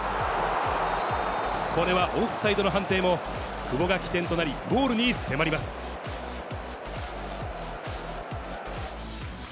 これはオフサイドの判定も、久保が起点となり、ゴールに迫ります。